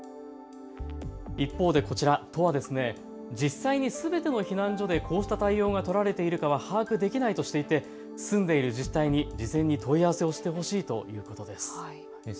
一方で、こちら都は実際にすべての避難所でこうした対応が取られているかは把握できないとしていて、住んでいる自治体に事前に問い合わせをしてほしいということです。